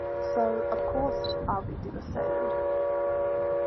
So, of course, I'll be devastated.